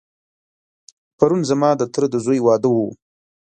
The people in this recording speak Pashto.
پرون ځما دتره دځوی واده و.